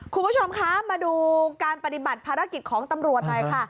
คุณผู้ชมคะมาดูการปฏิบัติภารกิจของตำรวจหน่อยค่ะ